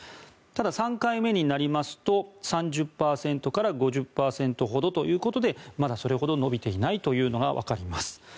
ただ、３回目になりますと３０％から５０％ほどということでまだそれほど伸びていないというのがわかります。